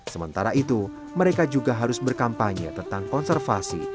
sementara itu mereka juga harus berkampanye tentang konservasi